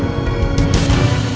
ya kita berhasil